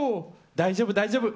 大丈夫、大丈夫。